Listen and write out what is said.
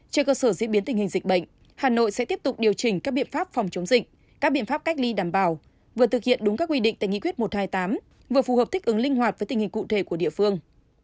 trên cơ sở diễn biến tình hình dịch bệnh hà nội sẽ tiếp tục điều chỉnh các biện pháp phòng chống dịch các biện pháp cách ly đảm bảo vừa thực hiện đúng các quy định tại nghị quyết một trăm hai mươi tám vừa phù hợp thích ứng linh hoạt với tình hình cụ thể của địa phương